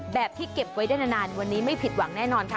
แบบที่เก็บไว้ได้นานวันนี้ไม่ผิดหวังแน่นอนค่ะ